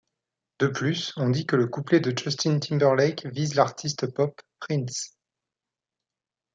De plus, on dit que le couplet de Justin Timberlake vise l'artiste pop Prince.